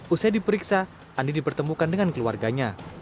usai diperiksa andi dipertemukan dengan keluarganya